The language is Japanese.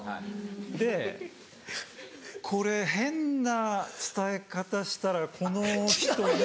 でこれ変な伝え方したらこの人に。